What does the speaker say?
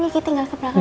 kiki tinggal ke belakang